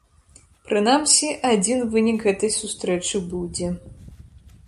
Прынамсі, адзін вынік гэтай сустрэчы будзе.